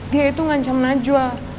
dia itu ngancam najwa